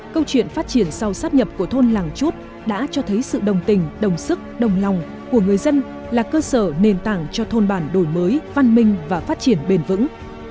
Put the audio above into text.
câu chuyện phát triển sau sắp nhập của thôn làng chút đã cho thấy sự đồng tình đồng sức đồng lòng của người dân là cơ sở nền tảng cho thôn bản đổi mới văn minh và phát triển bền vững